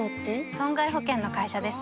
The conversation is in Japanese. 損害保険の会社です